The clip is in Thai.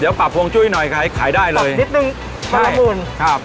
เดี๋ยวปรับฟวงจุ้ยหน่อยขายได้เลยปรับนิดหนึ่งใช่ประมูลครับ